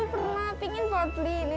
dulu pernah pingin buat beli ini